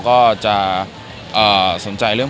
คุณสัมผัสดีครับ